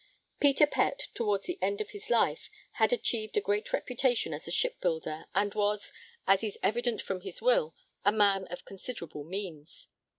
Peter Pett, towards the end of his life, had achieved a great reputation as a shipbuilder and was, as is evident from his will, a man of considerable means.